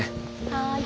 はい。